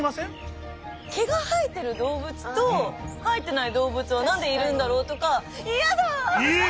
毛が生えてる動物と生えてない動物は何でいるんだろうとか嫌だ！